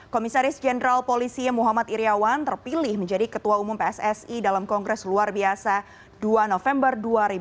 komisaris jenderal polisi muhammad iryawan terpilih menjadi ketua umum pssi dalam kongres luar biasa dua november dua ribu dua puluh